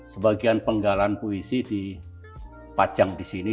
sebagian penggalan puisi dipajang di sini